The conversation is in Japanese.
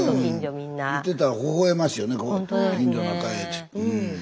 見てたらほほえましいよね